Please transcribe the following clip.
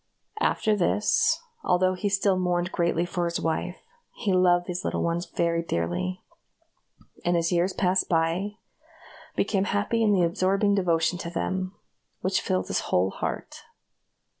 After this, although he still mourned greatly for his wife, he loved these little ones very dearly; and as years passed by, became happy in the absorbing devotion to them, which filled his whole heart.